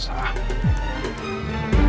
apa yang maksud kamu